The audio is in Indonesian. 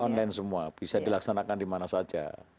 online semua bisa dilaksanakan dimana saja